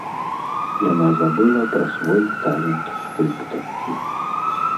Яна забыла пра свой талент скульптаркі.